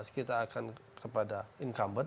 kita akan kepada incumbent